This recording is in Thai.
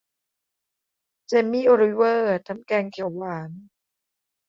เจมี่ โอลิเวอร์ทำแกงเขียวหวาน